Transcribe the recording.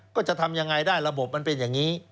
ก็จะทำยังไงได้ระบบมันเป็นอย่างนี้